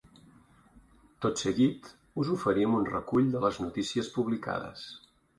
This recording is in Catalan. Tot seguit us oferim un recull de les notícies publicades.